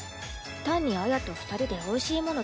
単に絢と２人でおいしいもの